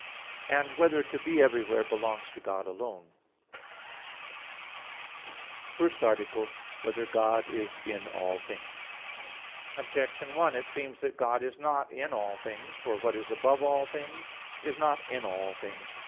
(4) Whether to be everywhere belongs to God alone? _______________________ FIRST ARTICLE [I, Q. 8, Art. 1] Whether God Is in All Things? Objection 1: It seems that God is not in all things. For what is above all things is not in all things.